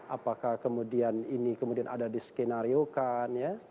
apakah kemudian ini kemudian ada diskenariokan ya